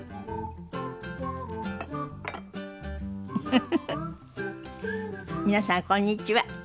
フフフフ皆さんこんにちは。